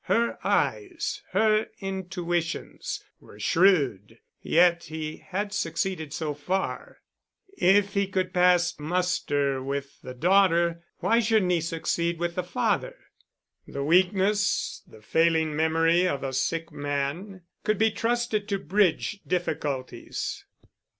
Her eyes, her intuitions, were shrewd, yet he had succeeded so far. If he could pass muster with the daughter, why shouldn't he succeed with the father? The weakness, the failing memory of a sick man, could be trusted to bridge difficulties.